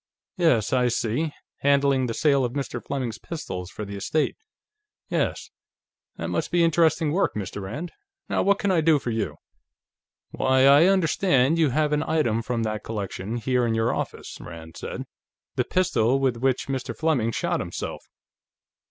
"Yes, I see; handling the sale of Mr. Fleming's pistols, for the estate. Yes. That must be interesting work, Mr. Rand. Now, what can I do for you?" "Why, I understand you have an item from that collection, here in your office," Rand said. "The pistol with which Mr. Fleming shot himself.